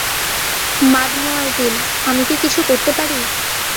Mademoiselle, আমি কি কিছু বলতে পারি?